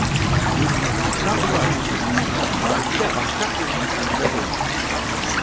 Bedri İstanbul’a annesinin yanına, Macide ahşap ve büyük evine döndü.